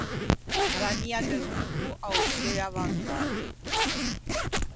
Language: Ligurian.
A l’ammia delongo a-o seu avvantaggio.